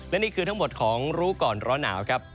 และนี่คือทั้งหมดของรู้ก่อนร้อนหนาวครับ